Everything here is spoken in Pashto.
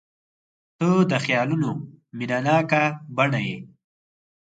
• ته د خیالونو مینهناکه بڼه یې.